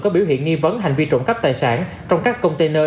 có biểu hiện nghi vấn hành vi trộm cắp tài sản trong các container